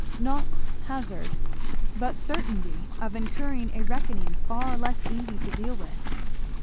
"Not hazard, but certainty, of incurring a reckoning far less easy to deal with."